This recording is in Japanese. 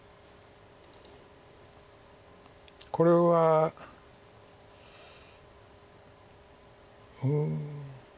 これは。うん。